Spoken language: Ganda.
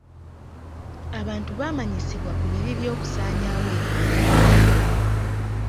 Abantu baamanyisibwa ku bibi by'okusaanyaawo ebibira.